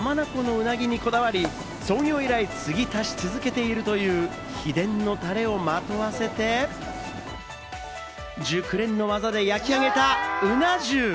静岡・浜松産、浜名湖の鰻にこだわり、創業以来、継ぎ足し続けているという秘伝のタレをまとわせて、熟練の技で焼き上げたうな重。